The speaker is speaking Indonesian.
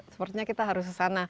sepertinya kita harus ke sana